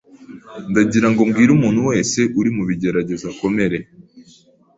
Ndagirango mbwire umuntu wese uri mu bigeragezo akomere